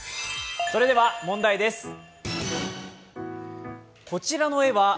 それでは問題です。